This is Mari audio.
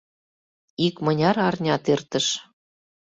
Икмыняр арнят эртыш.